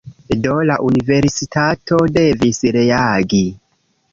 Do, la universitato devis reagi